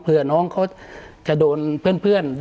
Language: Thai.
เพื่อน้องเขาจะโดนเพื่อน